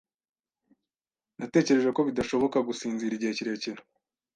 Natekereje ko bidashoboka gusinzira igihe kirekire.